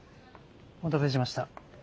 お待たせしました。